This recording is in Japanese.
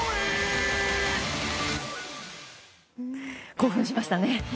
興奮しましたね。